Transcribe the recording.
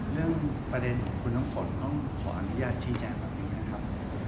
เรื่องประเด็นของคุณน้ำฝนต้องขออนุญาตชี้แจงแบบนี้นะครับ